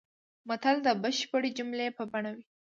متل د بشپړې جملې په بڼه وي